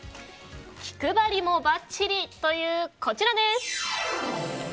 気配りもバッチリというこちらです。